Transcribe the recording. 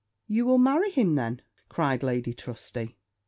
'You will marry him, then?' cried Lady Trusty.